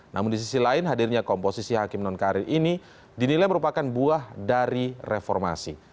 namun di sisi lain hadirnya komposisi hakim non karir ini dinilai merupakan buah dari reformasi